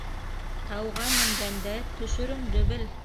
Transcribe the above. Тауға менгәндә төшөрөңдө бел.